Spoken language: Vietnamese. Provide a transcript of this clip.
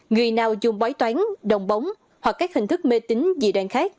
người nào dùng bói toán đồng bóng hoặc các hình thức mê tính dị đoan khác